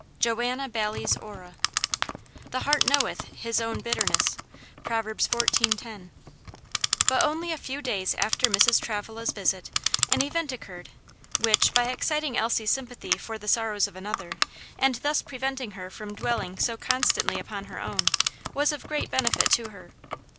JOANNA BAILLIE'S ORRA. "The heart knoweth his own bitterness." PROV. 14:10. But only a few days after Mrs. Travilla's visit, an event occurred, which, by exciting Elsie's sympathy for the sorrows of another, and thus preventing her from dwelling so constantly upon her own, was of great benefit to her.